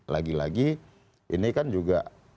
lagi lagi ini kan juga